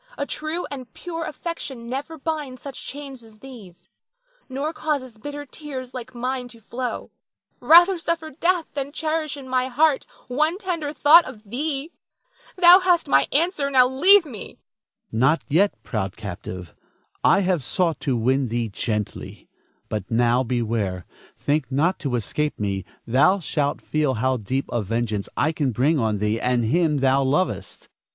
A true and pure affection never binds such chains as these, nor causes bitter tears like mine to flow. Rather suffer death than cherish in my heart one tender thought of thee. Thou hast my answer, now leave me. Don Felix. Not yet, proud captive. I have sought to win thee gently; but now, beware. Think not to escape me, thou shalt feel how deep a vengeance I can bring on thee and him thou lovest.